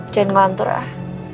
jangan ngelantur ah